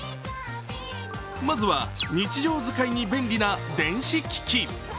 まずは日常使いに便利な電子機器。